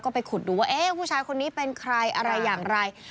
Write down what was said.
ไปขุดดูว่าเอ๊ะผู้ชายคนนี้เป็นใครอะไรอย่างไร